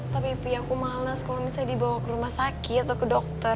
tapi aku males kalau misalnya dibawa ke rumah sakit atau ke dokter